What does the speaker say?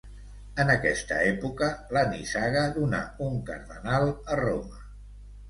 En aquesta època la nissaga donà un cardenal a Roma.